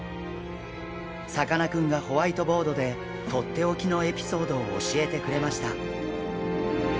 さかなクンがホワイトボードでとっておきのエピソードを教えてくれました。